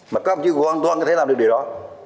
mà có không chứ hoàn toàn có thể làm được điều đó